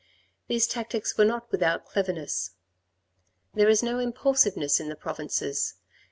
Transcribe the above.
These tactics were not without cleverness. There is no impulsiveness in the provinces.